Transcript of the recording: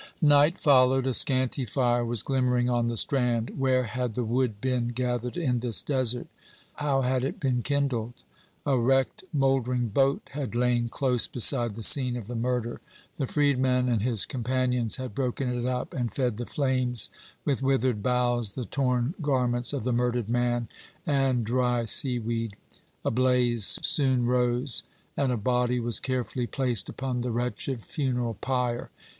"Night followed. A scanty fire was glimmering on the strand. Where had the wood been gathered in this desert? How had it been kindled? A wrecked, mouldering boat had lain close beside the scene of the murder. The freedman and his companions had broken it up and fed the flames with withered boughs, the torn garments of the murdered man, and dry sea weed. A blaze soon rose, and a body was carefully placed upon the wretched funeral pyre.